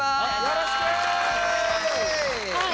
よろしく！